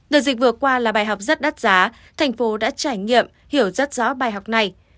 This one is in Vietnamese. đợt dịch vừa qua là bài học rất đắt giá thành phố đã trải nghiệm hiểu rất rõ bài học này